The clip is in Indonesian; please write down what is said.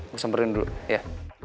gue samperin dulu ya